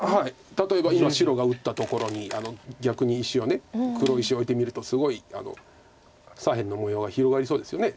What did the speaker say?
例えば今白が打ったところに逆に石を黒石を置いてみるとすごい左辺の模様が広がりそうですよね。